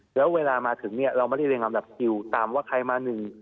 แล้วเวลามาถึงเนี่ยเราไม่ได้เรียงลำดับคิวตามว่าใครมาหนึ่ง